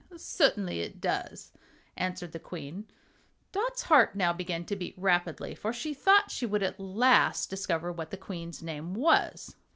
"Certainly it does," answered the Queen. Dot's heart now began to beat rapidly, for she thought she would at last discover what the Queen's name was.